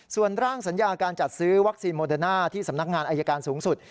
ส่วนร่างสัญญาการจัดซื้อวัคซีนโมเดอร์น่าที่สำนักงานอายการสูงสุด